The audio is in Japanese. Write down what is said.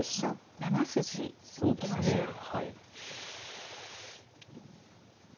７筋に行きました。